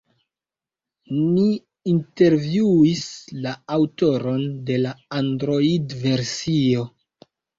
Ni intervjuis la aŭtoron de la Android-versio.